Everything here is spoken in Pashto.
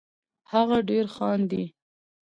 هغه ډېر خاندي